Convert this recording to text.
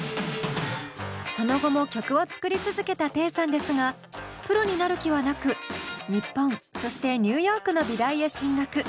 その後も曲を作り続けたテイさんですがプロになる気はなく日本そしてニューヨークの美大へ進学。